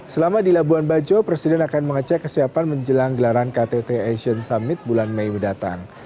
selama di labuan bajo presiden akan mengecek kesiapan menjelang gelaran ktt asian summit bulan mei mendatang